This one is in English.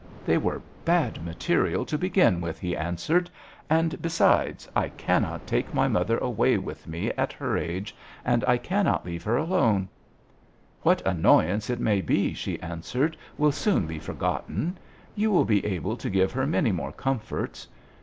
" They were bad material to 34 JOHN SHERMAN. begin with," he answered, " and besides, I cannot take my mother away with me at her age, and I cannot leave her alone." " What annoyance it may be," she answered, "will soon be forgotten. You will be able to give her many more comforts.